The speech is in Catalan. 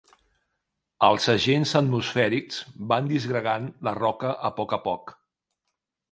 Els agents atmosfèrics van disgregant la roca a poc a poc.